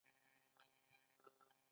کله چې چټک ځئ ساه مو بندیږي؟